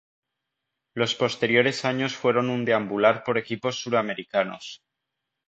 Los posteriores años fueron un deambular por equipos suramericanos.